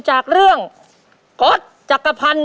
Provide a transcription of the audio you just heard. จากเรื่องก๊อตจักรพันธ์